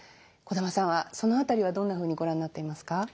小玉さんはその辺りはどんなふうにご覧になっていますか。